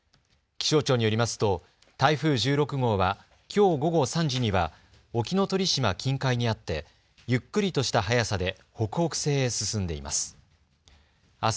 気象庁によりますと台風１６号はきょう午後３時には沖ノ鳥島近海にあってゆっくりとした速さで北北西へ進んでいます。